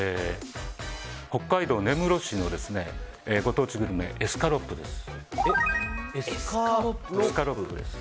北海道根室市のご当地グルメエスカロップです。